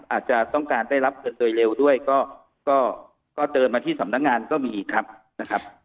อาจจะต้องการได้รับเงินโดยเร็วด้วยก็เชิญมาที่สำนักงานก็มีครับนะครับ